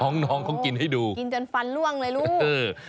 น้องน้องเขากินให้ดูกินจนฟันล่วงเลยลูกเออ